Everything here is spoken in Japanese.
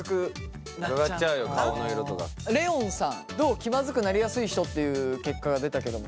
気まずくなりやすい人っていう結果が出たけども。